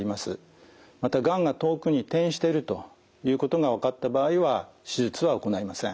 またがんが遠くに転移しているということが分かった場合は手術は行えません。